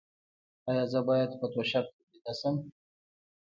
ایا زه باید په توشک ویده شم؟